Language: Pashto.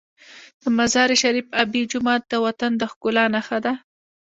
د مزار شریف آبي جومات د وطن د ښکلا نښه ده.